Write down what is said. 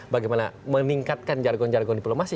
bagaimana meningkatkan jargon jargon diplomasi